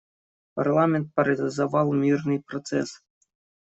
Парламент парализовал мирный процесс.